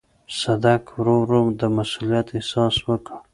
صدک ورو ورو د مسووليت احساس وکړ.